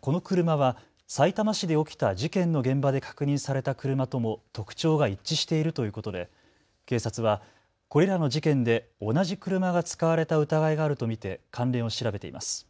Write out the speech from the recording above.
この車はさいたま市で起きた事件の現場で確認された車とも特徴が一致しているということで警察はこれらの事件で同じ車が使われた疑いがあると見て関連を調べています。